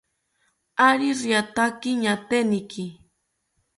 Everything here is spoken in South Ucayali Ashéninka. Ari riataki ñaateniki